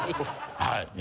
はい。